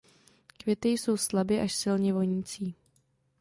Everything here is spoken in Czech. Květy jsou slabě až silně vonící.